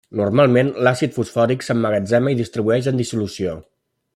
Normalment, l'àcid fosfòric s'emmagatzema i distribueix en dissolució.